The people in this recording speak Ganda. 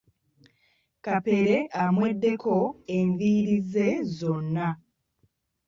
Kapere amweddeko enviiri ze zonna.